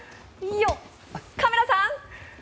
カメラさん。